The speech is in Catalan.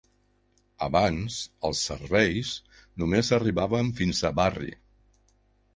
Abans els serveis només arribaven fins a Barry.